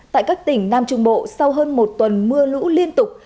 tại các tỉnh nam trung bộ sau hơn một tuần mưa lũ liên tục